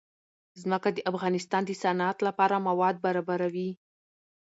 ځمکه د افغانستان د صنعت لپاره مواد برابروي.